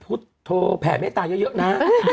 เพจแบบให้ตายเยอะนะ